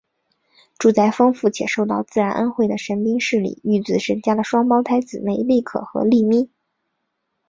住在丰富且受到自然恩惠的神滨市里御子神家的双胞胎姊妹莉可和莉咪。